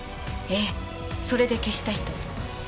ええそれで消したいと。